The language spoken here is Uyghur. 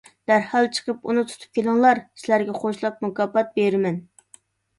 دەرھال چىقىپ ئۇنى تۇتۇپ كېلىڭلار. سىلەرگە قوشلاپ مۇكاپات بېرىمەن.